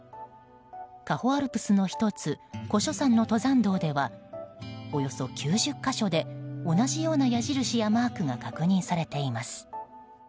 嘉穂アルプスの１つ古処山の登山道ではおよそ９０か所で同じような矢印やマークが確認されています。